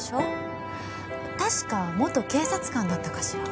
確か元警察官だったかしら。